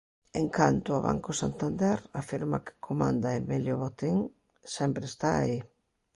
En canto a Banco Santander, a firma que comanda Emilio Botín "sempre está aí".